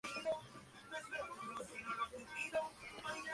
Su padre era funcionario y criaba rosas.